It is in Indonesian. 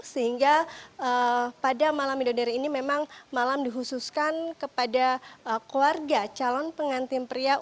sehingga pada malam midodare ini memang malam dihususkan kepada keluarga calon pengantin pria